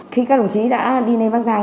khi các đồng chí đã đi lên bắc giang